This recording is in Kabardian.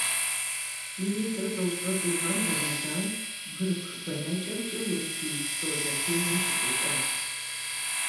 Минитӏрэ тӏощӏрэ тӏу гъэм Рэмэзан бгырыпх бэнэкӏэмкӏэ урысейпсо зэпеуэм щытекӏуащ.